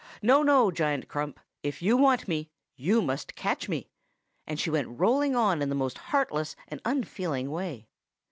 No, no, Giant Crump; if you want me, you must catch me!' and she went rolling on in the most heartless and unfeeling way.